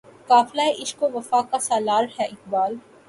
قافلہِ عشق و وفا کا سالار ہے اقبال